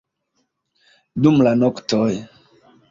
dum la noktoj